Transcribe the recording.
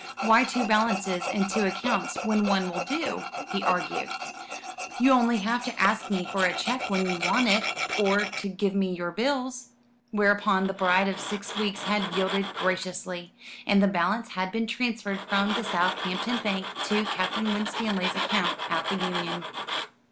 "Why two balances and two accounts, when one will do?" he argued. "You have only to ask me for a cheque when you want it, or to give me your bills." Whereupon the bride of six weeks had yielded graciously, and the balance had been transferred from the Southampton bank to Captain Winstanley's account at the Union.